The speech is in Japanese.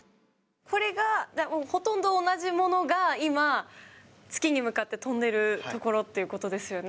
これがほとんど同じものが、今、月に向かって飛んでるところってことですよね？